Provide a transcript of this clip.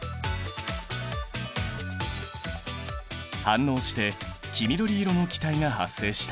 反応して黄緑色の気体が発生した。